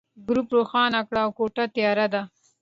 ګروپ روښانه کړه، کوټه تياره ده.